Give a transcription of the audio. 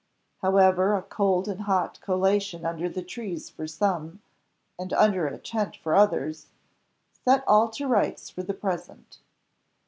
However, a cold and hot collation under the trees for some, and under a tent for others, set all to rights for the present.